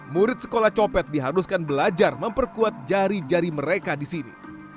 murid sekolah copet diharuskan belajar memperkuat jari jari mereka di sini